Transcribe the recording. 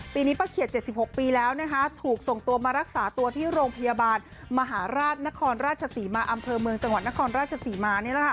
ปีนี้ป้าเขียด๗๖ปีแล้วนะคะถูกส่งตัวมารักษาตัวที่โรงพยาบาลมหาราชนครราชศรีมาอำเภอเมืองจังหวัดนครราชศรีมา